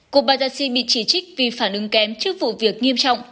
kobadashi bị chỉ trích vì phản ứng kém trước vụ việc nghiêm trọng